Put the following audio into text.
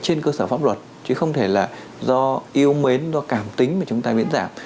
trên cơ sở pháp luật chứ không thể là do yêu mến do cảm tính mà chúng ta miễn giảm